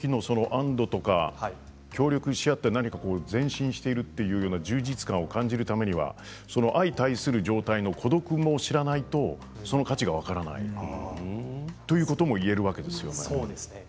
安どとか協力し合って何か前進しているというよりは充実感を感じるためには相対する状態の孤独も知らないとその価値が分からないですねということも言えるわけですよね。